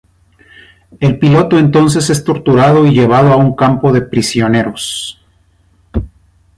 El piloto entonces es torturado y llevado a un campo de prisioneros.